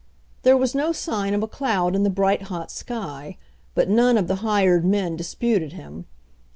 There was no sign of a cloud in the bright, hot sky, but none of the hired men disputed him.